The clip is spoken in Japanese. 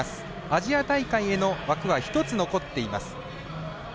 アジア大会への枠は１つ残っています。